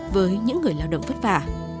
với những người lao động vất vả